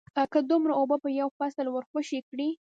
که دومره اوبه په یو فصل ورخوشې کړې